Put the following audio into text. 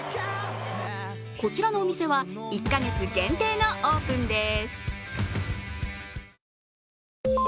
こちらのお店は１か月限定のオープンです。